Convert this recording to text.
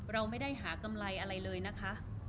เราไม่ได้หากำไรอะไรเลยนะคะ